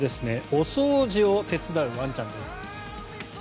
お掃除を手伝うワンちゃんです。